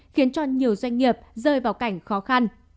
khiến cho nhiều doanh nghiệp rơi vào cảnh khó khăn